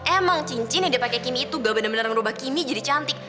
emang cincin yang dia pakai kimi itu nggak bener bener merubah kimi jadi cantik